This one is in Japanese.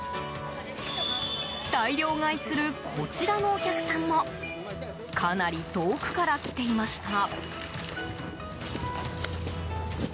大量買いするこちらのお客さんもかなり遠くから来ていました。